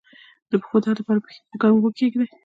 د پښو د درد لپاره پښې په ګرمو اوبو کې کیږدئ